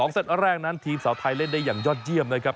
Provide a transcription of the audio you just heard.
เซตแรกนั้นทีมสาวไทยเล่นได้อย่างยอดเยี่ยมนะครับ